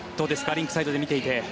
リンクサイドで見ていて。